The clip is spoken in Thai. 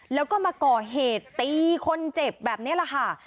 แล้วก็มาก่อเหตุตีคนเจ็บแบบนี้แหละค่ะ